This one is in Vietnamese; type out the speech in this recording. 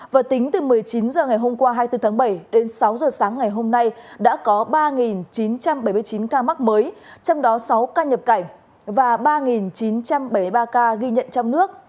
và tính từ một mươi chín h ngày hôm qua hai mươi bốn tháng bảy đến sáu h sáng ngày hôm nay đã có ba chín trăm bảy mươi chín ca mắc mới trong đó sáu ca nhập cảnh và ba chín trăm bảy mươi ba ca ghi nhận trong nước